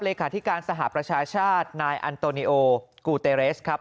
เลขาธิการสหประชาชาตินายอันโตนิโอกูเตเรสครับ